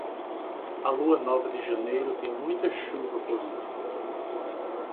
A lua nova de janeiro tem muita chuva por último.